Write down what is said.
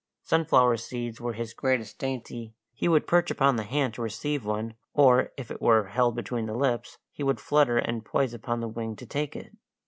Sunflower seeds were his greatest dainty; he would perch upon the hand to receive one, or if it were held between the lips he would flutter and poise upon the wing to take it.